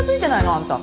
あんた。